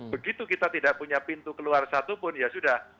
begitu kita tidak punya pintu keluar satupun ya sudah